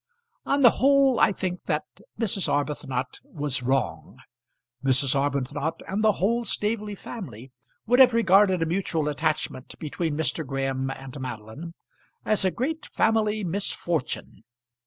On the whole I think that Mrs. Arbuthnot was wrong. Mrs. Arbuthnot and the whole Staveley family would have regarded a mutual attachment between Mr. Graham and Madeline as a great family misfortune.